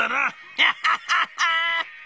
ハハハハ！」。